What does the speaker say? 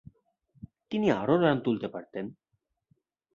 তিনি আরও রান তুলতে পারতেন।